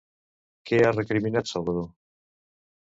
Què ha recriminat Salvador?